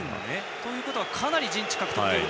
ということはかなりの陣地獲得です。